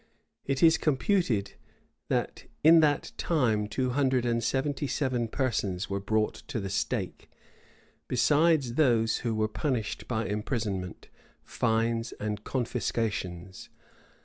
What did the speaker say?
It is computed that in that time two hundred and seventy seven persons were brought to the stake, besides those who were punished by imprisonment, fines, and confiscations.